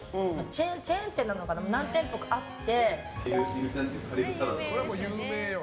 チェーン店なのかな何店舗かあって。